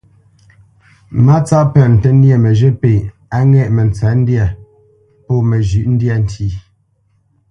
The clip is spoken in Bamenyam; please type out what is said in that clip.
Mátsáʼ pə́nə ntə́ nyê məzhə̂ pêʼ á ŋɛ̂ʼ mətsə̌ndyâ pó məzhyə́ ndyâ ntí.